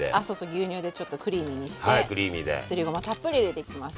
牛乳でちょっとクリーミーにしてすりごまたっぷり入れていきます。